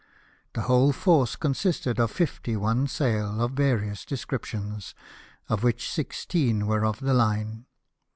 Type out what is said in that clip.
The whole force consisted of fifty one sail, of various descriptions, of which six teen were of the line.